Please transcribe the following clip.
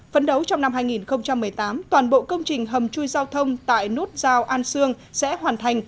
phấn đấu trong năm hai nghìn một mươi tám toàn bộ công trình hầm chui giao thông tại nút giao an sương sẽ hoàn thành